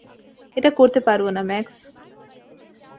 এটা করতে পারব না, ম্যাক্স।